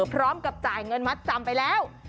พร้อมกับจ่ายเงินมัดจำไปแล้ว